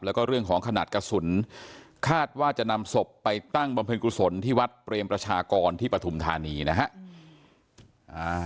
แล้วก็เรื่องของขนาดกระสุนคาดว่าจะนำศพไปตั้งบำเพ็ญกุศลที่วัดเปรมประชากรที่ปฐุมธานีนะฮะ